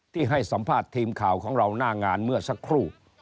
ให้สัมภาษณ์ทีมข่าวของเราหน้างานเมื่อสักครู่